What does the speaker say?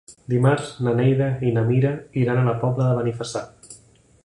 Dimarts na Neida i na Mira iran a la Pobla de Benifassà.